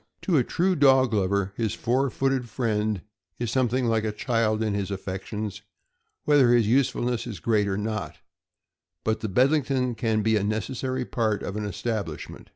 To a true dog lover his four footed friend is some thing like a child in his affections, whether his usefulness is great or not; but the Bedlington can be a necessary part of an establishment.